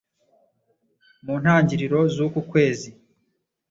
mu ntangiriro z’uku kwezi